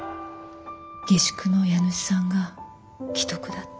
下宿の家主さんが危篤だって。